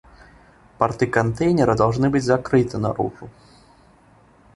Порты контейнера должны быть закрыты наружу